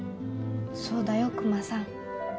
そうだよクマさん。